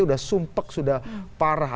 sudah sumpek sudah parah